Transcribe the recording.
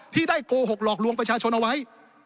ที่ได้โกหกหลอกลวงประชาชนเอาไว้